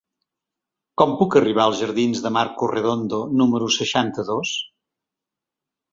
Com puc arribar als jardins de Marcos Redondo número seixanta-dos?